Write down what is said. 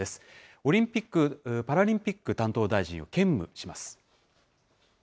オリンピック・パラリンピック担当大臣を兼務します。